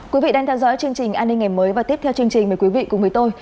quý vị đang theo dõi chương trình an ninh ngày mới và tiếp theo chương trình mời quý vị cùng với tôi